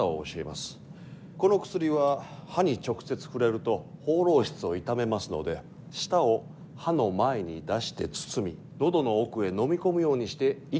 この薬は歯に直接触れるとほうろう質を傷めますので舌を歯の前に出して包み喉の奥へ飲み込むようにして一気に飲まなければなりません。